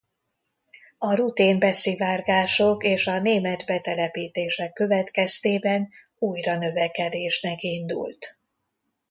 A rutén beszivárgások és a német betelepítések következtében újra növekedésnek indult.